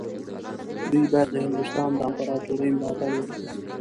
دوی باید د هندوستان د امپراطورۍ ملاتړ وکړي.